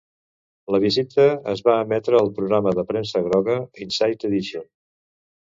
La visita es va emetre al programa de premsa groga "Inside Edition".